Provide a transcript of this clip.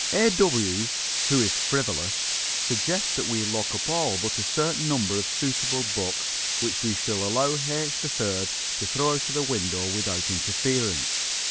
A. W., who is frivolous, suggests that we lock up all but a certain number of suitable books which we shall allow H. 3rd to throw out the window without interference.